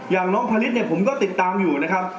อย่างน้องพลิตผมก็ติดตามอยู่นะครับ